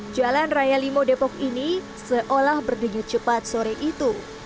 jalan raya limau depok ini seolah berdenyut cepat sore itu